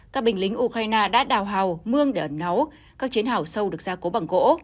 các binh lính ukraine đã đào hào mương để ẩn náu các chiến hào sâu được gia cố bằng gỗ